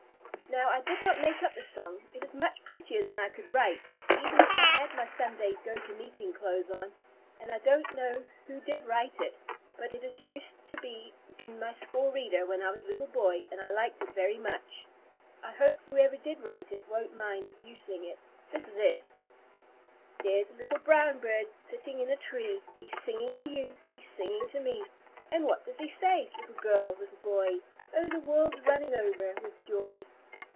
Now I did not make up this song. It is much prettier than I could write, even if I had my Sunday go to meeting clothes on, and I don't know who did write it. But it used to be in my school reader when I was a little boy, and I liked it very much. I hope whoever did write it won't mind if you sing it. This is it: "There's a little brown bird sitting up in a tree, He's singing to you he's singing to me. And what does he say, little girl little boy? Oh, the world's running over with joy!"